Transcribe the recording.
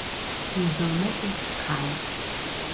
Die Sonne ist kalt!